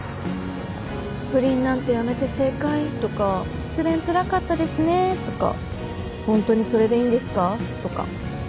「不倫なんてやめて正解」とか「失恋つらかったですね」とか「ホントにそれでいいんですか？」とか。